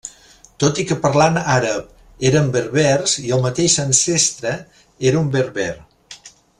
Tot i que parlant àrab eren berbers i el mateix ancestre era un berber.